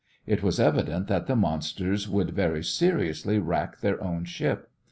It was evident that the monsters would very seriously rack their own ship.